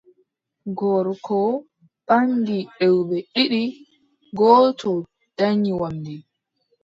Gorko ɓaŋgi rewɓe ɗiɗi, gooto danyi wamnde,